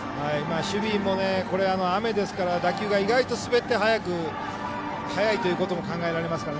守備も雨ですから打球が意外と滑って速いということも考えられますから。